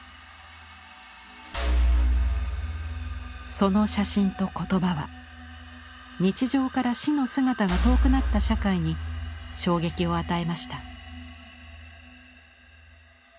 その写真と言葉は日常から「死」の姿が遠くなった社会に衝撃を与えました。